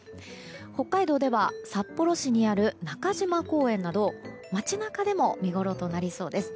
北海道では札幌市にある中島公園など街中でも見ごろとなりそうです。